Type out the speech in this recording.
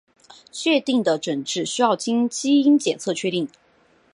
确定的诊治需要经基因检测确定。